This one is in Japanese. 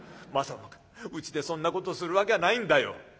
まさかうちでそんなことするわきゃないんだよ。